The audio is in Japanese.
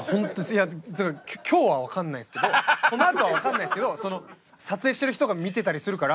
いやそれは今日はわかんないですけどこのあとはわかんないですけど撮影してる人が見てたりするから。